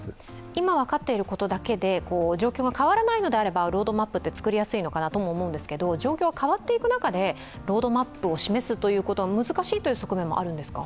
今分かっていることだけで状況が変わらないのであればロードマップも作りやすいのかなとも思うんですけれども、状況が変わっていく中で、ロードマップを示すことは難しいという側面もあるんですか？